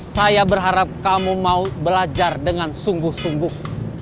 saya berharap kamu mau belajar dengan sungguh sungguh